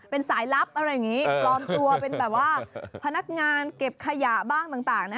เป็นสายลับอะไรอย่างนี้ปลอมตัวเป็นแบบว่าพนักงานเก็บขยะบ้างต่างนะ